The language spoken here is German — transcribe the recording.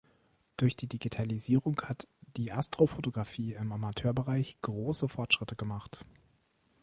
Durch die Digitalisierung hat die Astrofotografie im Amateurbereich große Fortschritte gemacht.